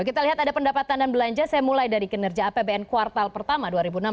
kita lihat ada pendapatan dan belanja saya mulai dari kinerja apbn kuartal pertama dua ribu enam belas